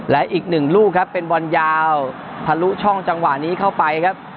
และอีกหนึ่งลูกครับเป็นบอลยาวทะลุช่องจังหวะนี้เข้าไปครับ